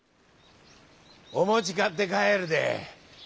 「おもちかってかえるで。